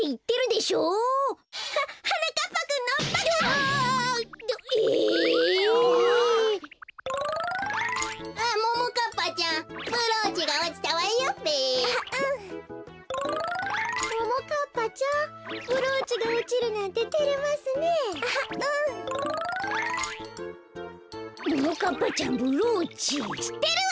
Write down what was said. しってるわ！